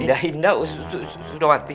indah indah ust sudah mati